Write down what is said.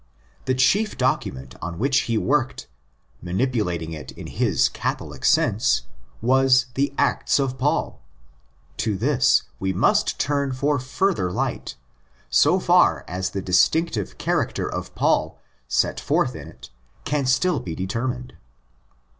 The chief document on which he worked, manipulating it in his '' Catholic' sense, was the Acts of Paul. To this we must turn for further light—so far as the distinctive character of Paul set forth in it can still be determined.